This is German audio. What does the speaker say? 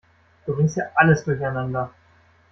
Du bringst ja alles durcheinander.